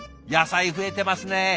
野菜増えてますね。